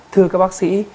thưa các bác sĩ